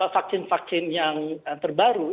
vaksin vaksin yang terbaru